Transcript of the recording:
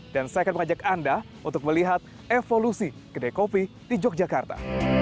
dan saya akan mengajak anda untuk melihat evolusi kedai kopi di yogyakarta